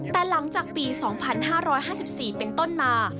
แต่หลังจากปี๒๕๕๔เป็นต้นมา